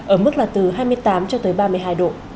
ở mức là từ hai mươi tám cho tới ba mươi hai độ